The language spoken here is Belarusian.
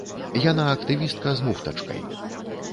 Яна актывістка з муфтачкай.